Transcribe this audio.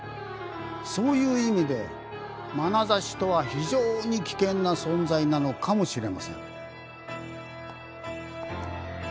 そういう意味でまなざしとは非常に危険な存在なのかもしれません。